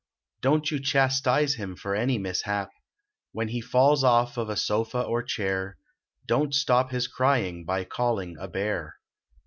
Don t you chastise him for any mishap ; When he falls off of a sofa or chair. Don t stop his crying by calling a bear.